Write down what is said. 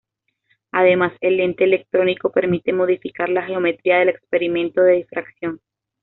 Además, el lente electrónico permite modificar la geometría del experimento de difracción.